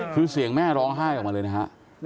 คือเสียงแม่ร้องไห้ออกมาเลยนะฮะ